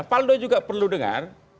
paldo juga perlu dengar